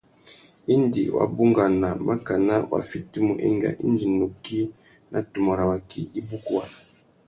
Indi wa bungana makana wa fitimú enga indi nukí na tumu râ waki i bukuwana.